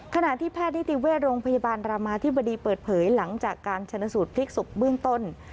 ขณะที่แพทย์นิติเวชโรงพยาบาลรามาธิบดีเปิดเผยหลังจากการชนสูตรพลิกศพเบื้องต้น